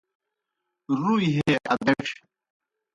رُوئی ہے ادڇھیْ